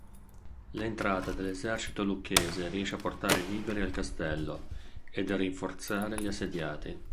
L’entrata dell’esercito lucchese riesce a portare viveri al castello ed a rinforzare gli assediati.